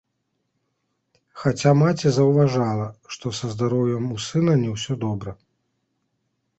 Хаця маці заўважала, што са здароўем у сына не ўсё добра.